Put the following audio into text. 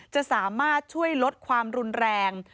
จะสามารถช่วยลดความรุนแรง